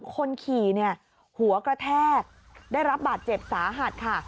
คนขี่เนี่ยหัวกระแทกได้รับบาดเจ็บสาหัสค่ะ